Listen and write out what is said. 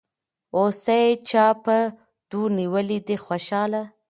هوسۍ چا په دو نيولې دي خوشحاله